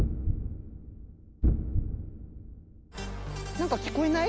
何か聞こえない？